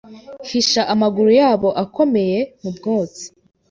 Hisha amaguru yabo akomeye mu mwotsi